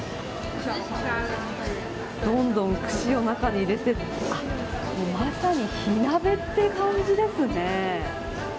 どんどん串を中に入れていってまさに火鍋って感じですね。